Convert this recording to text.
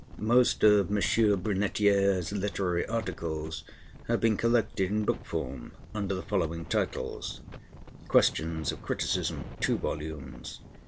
Most of M. Brunetière's literary articles have been collected in book form under the following titles: (Questions of Criticism) (2 vols.)